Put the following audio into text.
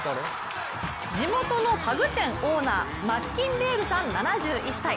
地元の家具店オーナーマッキンベールさん、７１歳。